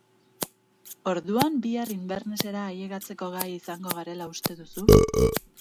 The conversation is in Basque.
Orduan bihar Invernessera ailegatzeko gai izango garela uste duzu?